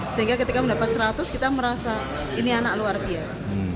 sehingga ketika mendapat seratus kita merasa ini anak luar biasa